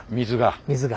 水が。